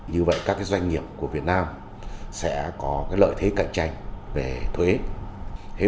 như vậy các doanh nghiệp của việt nam sẽ có lợi thế cạnh tranh về thuế